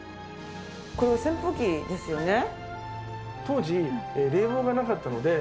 これ扇風機ですよね？